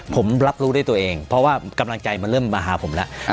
ผมรับรู้ด้วยตัวเองเพราะว่ากำลังใจมันเริ่มมาหาผมแล้ว